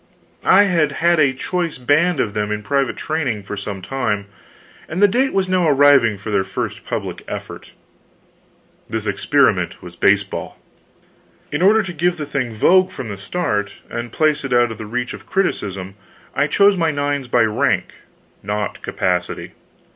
I had had a choice band of them in private training for some time, and the date was now arriving for their first public effort. This experiment was baseball. In order to give the thing vogue from the start, and place it out of the reach of criticism, I chose my nines by rank, not capacity.